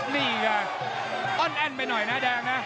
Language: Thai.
นี่ไงอ้อนแอ้นไปหน่อยนะแดงนะ